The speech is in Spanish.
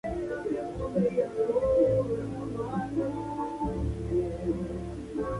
Jugados con el equipo reserva